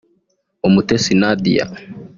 Umutesi Nadia